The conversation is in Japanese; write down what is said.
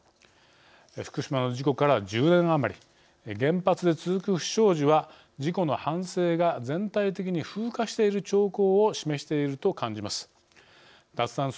福島の事故から１０年余り原発で続く不祥事は事故の反省が全体的に風化している兆候を示していると感じます。